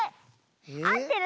あってる。